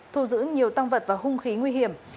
thu giữ nhiều tăng vật và hung khí nguy hiểm